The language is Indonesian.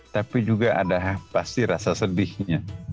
tapi juga ada pasti rasa sedihnya